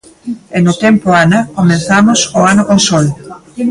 E no tempo Ana, comezamos o ano con sol?